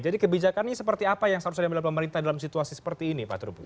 jadi kebijakannya seperti apa yang harus diambil oleh pemerintah dalam situasi seperti ini pak trumus